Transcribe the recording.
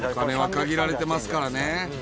お金は限られてますからね。